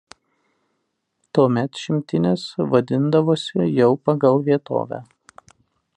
Tuomet šimtinės vadindavosi jau pagal vietovę.